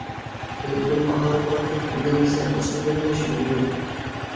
يۇرتۇم مائارىپ ئارقىلىق گۈللەنمىسە باشقا گۈللىنىش يولى يوق.